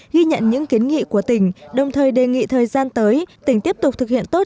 ghi nhận những kiến nghị của tỉnh đồng thời đề nghị thời gian tới tỉnh tiếp tục thực hiện tốt